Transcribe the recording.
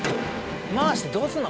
回してどうすんの？